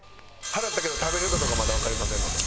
払ったけど食べれるかどうかまだわかりませんので。